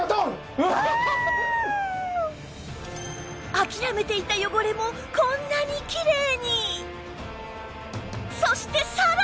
諦めていた汚れもこんなにきれいに！